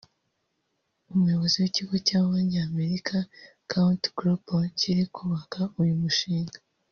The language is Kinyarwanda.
Umuyobozi w’ ikigo cy’Abanyamerika ContourGlobal kiri kubaka uyu mushinga